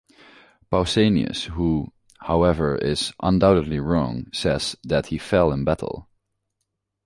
Pausanias, who, however, is undoubtedly wrong, says that he fell in battle.